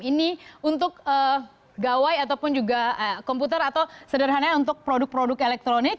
ini untuk gawai ataupun juga komputer atau sederhananya untuk produk produk elektronik